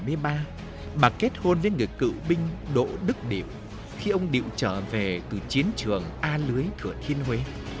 năm một nghìn chín trăm bảy mươi ba bà kết hôn với người cựu binh đỗ đức điệp khi ông điệp trở về từ chiến trường a lưới thừa thiên huế